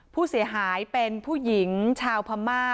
ผู้เสียหายเป็นผู้หญิงชาวพม่า